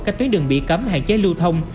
các tuyến đường bị cấm hạn chế lưu thông